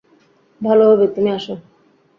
ভালো হবে তুমি আসো।